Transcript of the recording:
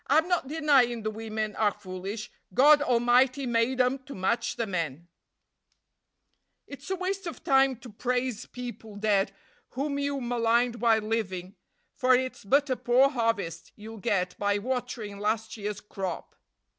"I'm not denyin' the women are foolish; God Almighty made 'em to match the men." "It's a waste of time to praise people dead whom you maligned while living; for it's but a poor harvest you'll get by watering last year's crop."